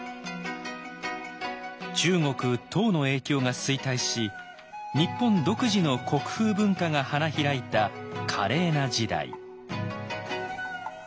中国・唐の影響が衰退し日本独自の国風文化が花開いた華麗な時代。